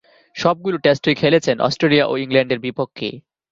সবগুলো টেস্টই খেলেছেন অস্ট্রেলিয়া ও ইংল্যান্ডের বিপক্ষে।